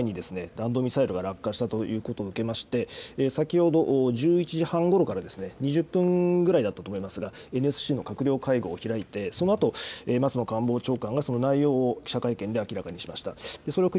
政府はＥＥＺ内に弾道ミサイルが落下したということを受けまして、先ほど１１時半ごろから２０分ぐらいだったと思いますが、ＮＳＣの閣僚会合を開いて、そのあと、松野官房長官がその内容を記者会見で明らかにしました。